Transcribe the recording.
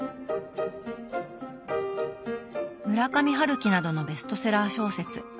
村上春樹などのベストセラー小説。